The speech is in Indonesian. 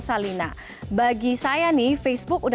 terima kasih dan schwed